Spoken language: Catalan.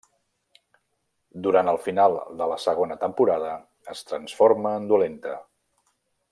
Durant el final de la segona temporada es transforma en dolenta.